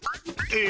え？